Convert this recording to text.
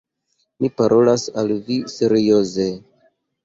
Mi parolas al vi serioze.